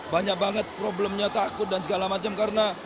banyak banget problemnya takut dan segala macam karena